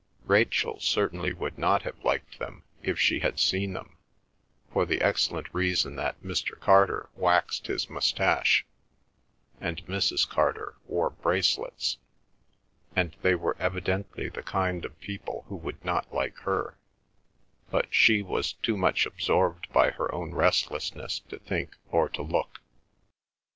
Rachel certainly would not have liked them, if she had seen them, for the excellent reason that Mr. Carter waxed his moustache, and Mrs. Carter wore bracelets, and they were evidently the kind of people who would not like her; but she was too much absorbed by her own restlessness to think or to look.